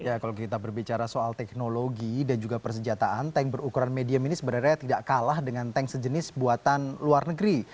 ya kalau kita berbicara soal teknologi dan juga persenjataan tank berukuran medium ini sebenarnya tidak kalah dengan tank sejenis buatan luar negeri